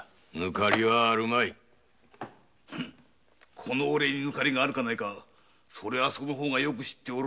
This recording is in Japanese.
この俺にぬかりがあるかないかその方がよく知っておろう。